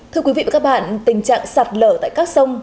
thưa quý vị và các bạn tình trạng sạt lở tại các sông